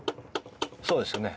そうですね。